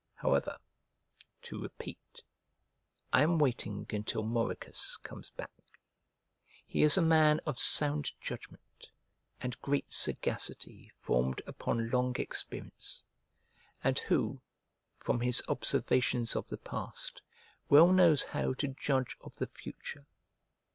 However (to repeat), I am waiting until Mauricus comes back. He is a man of sound judgment and great sagacity formed upon long experience, and who, from his observations of the past, well knows how to judge of the future.